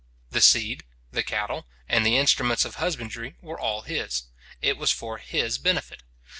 The seed, the cattle, and the instruments of husbandry, were all his. It was for his benefit.